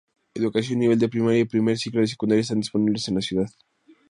Educación nivel de primaria y primer ciclo de secundaria están disponibles en la ciudad.